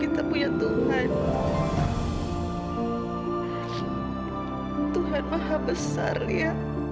tuhan maha besar ya